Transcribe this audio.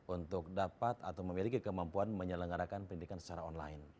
untuk dapat atau memiliki kemampuan menyelenggarakan pendidikan secara online